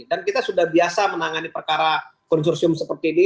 dan kita sudah biasa menangani perkara konsorsium seperti ini